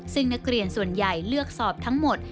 ซึ่งนักเรียนส่วนใหญ่เลือกสอบทั้งหมด